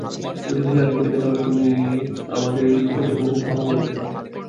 ও যদি চালাকি দেখায়, তাহলে তুমি আমাদের লোকেদের বাহুবল দেখাবে।